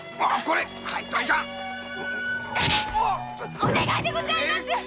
お願いでございます‼